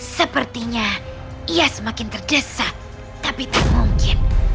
sepertinya ia semakin terdesak tapi tak mungkin